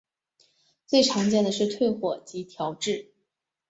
最常见的是退火及调质。